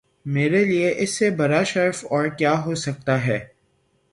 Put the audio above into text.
میرے لیے اس سے بڑا شرف اور کیا ہو سکتا تھا